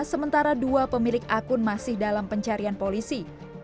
sementara dua pemilik akun masih dalam pencarian polisi